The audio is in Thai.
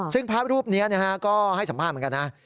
ซึ่งพระรูปนี้ก็ให้สัมภาษณ์เหมือนกันนะ